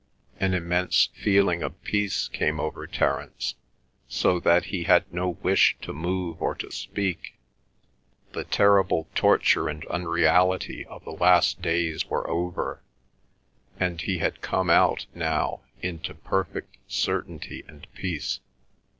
An immense feeling of peace came over Terence, so that he had no wish to move or to speak. The terrible torture and unreality of the last days were over, and he had come out now into perfect certainty and peace.